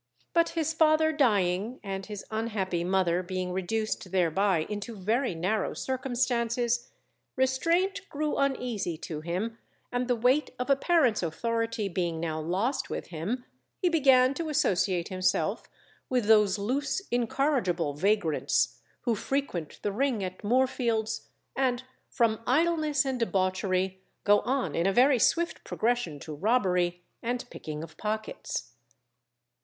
But his father dying and his unhappy mother being reduced thereby into very narrow circumstances, restraint grew uneasy to him, and the weight of a parent's authority being now lost with him, he began to associate himself with those loose incorrigible vagrants, who frequent the ring at Moorfields, and from idleness and debauchery, go on in a very swift progression to robbery and picking of pockets.